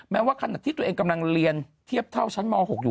แม้ว่าขณะที่ตัวเองกำลังเรียนเทียบเท่าชั้นม๖อยู่